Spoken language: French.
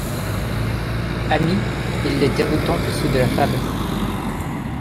Amis, ils l'étaient autant que ceux de la fable.